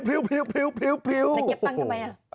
ในเก็บตังค์ทำไมอะ